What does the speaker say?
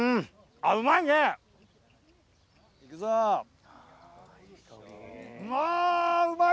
あぁうまい！